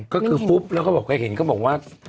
ก็คือปุ๊บแล้วก็บอกเคยเห็นก็บอกว่า